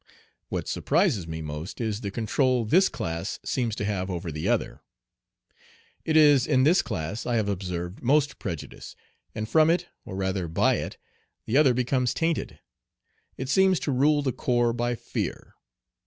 What surprises me most is the control this class seems to have over the other. It is in this class I have observed most prejudice, and from it, or rather by it, the other becomes tainted. It seems to rule the corps by fear.